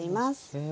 へえ。